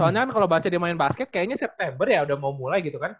soalnya kan kalau baca di main basket kayaknya september ya udah mau mulai gitu kan